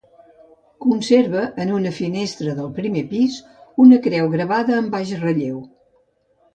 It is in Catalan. Conserva, en una finestra del primer pis, una creu gravada en baix relleu.